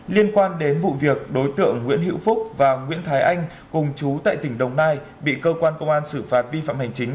liên quan đến vụ việc đối tượng nguyễn hữu phúc và nguyễn thái anh cùng chú tại tỉnh đồng nai bị cơ quan công an xử phạt vi phạm hành chính